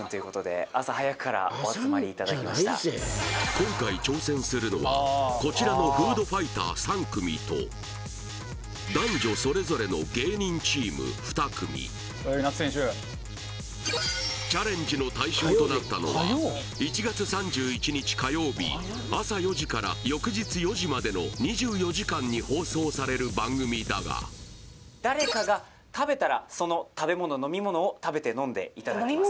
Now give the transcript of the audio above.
今回挑戦するのはこちらのフードファイター３組と男女それぞれの芸人チーム２組チャレンジの対象となったのは１月３１日火曜日朝４時から翌日４時までの２４時間に放送される番組だが誰かが食べたらその食べ物飲み物を食べて飲んでいただきます